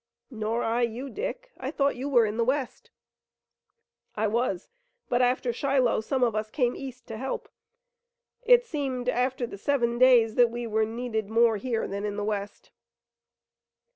"Nor I you, Dick. I thought you were in the west." "I was, but after Shiloh, some of us came east to help. It seemed after the Seven Days that we were needed more here than in the west."